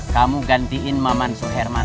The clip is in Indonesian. kamu gantiin maman soe herman